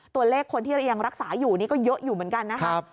ตัวเลขคนที่ยังรักษาอยู่นี่ก็เยอะอยู่เหมือนกันนะครับ